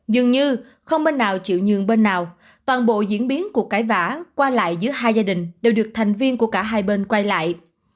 dường như không bên nào chịu nhường bên nào toàn bộ diễn biến của cái vã qua lại giữa hai gia đình đều được thành viên của cả hai bên quay lại